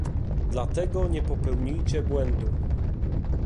Dlatego nie popełnijcie błędu